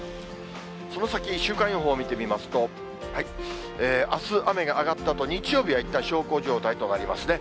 その先、週間予報を見てみますと、あす、雨が上がったあと、日曜日はいったん小康状態となりますね。